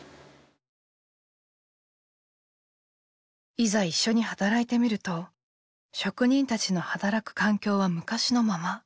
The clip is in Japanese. いざ一緒に働いてみると職人たちの働く環境は昔のまま。